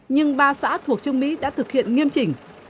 nhưng ba xã thuộc trương mỹ đã thực hiện nghiêm chỉnh